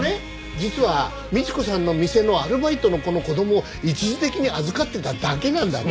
実は倫子さんの店のアルバイトの子の子供を一時的に預かってただけなんだって。